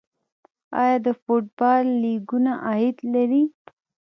آیا د فوټبال لیګونه عاید لري؟